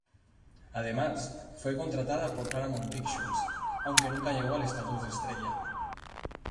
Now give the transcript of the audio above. Además, fue contratada por Paramount Pictures, aunque nunca llegó al estatus de estrella.